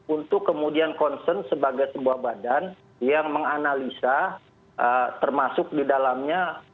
untuk kemudian concern sebagai sebuah badan yang menganalisa termasuk di dalamnya